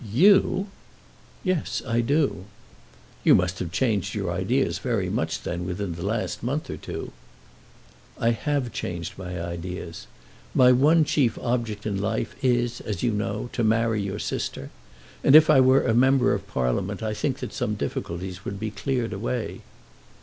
"You!" "Yes; I do." "You must have changed your ideas very much then within the last month or two." "I have changed my ideas. My one chief object in life is, as you know, to marry your sister; and if I were a Member of Parliament I think that some difficulties would be cleared away."